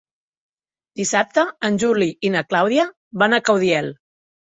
Dissabte en Juli i na Clàudia van a Caudiel.